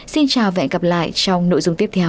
xin chào và hẹn gặp lại trong nội dung tiếp theo